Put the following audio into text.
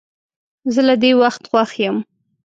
زه له دې وخت خوښ یم.